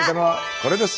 これです。